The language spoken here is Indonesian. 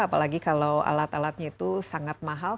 apalagi kalau alat alatnya itu sangat mahal